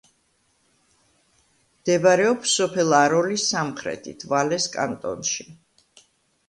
მდებარეობს სოფელ აროლის სამხრეთით, ვალეს კანტონში.